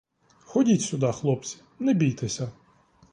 Ходіть сюда, хлопці, не бійтеся.